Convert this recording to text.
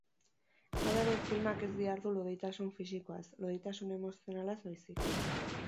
Hala ere, filmak ez dihardu loditasun fisikoaz, loditasun emozionalaz baizik.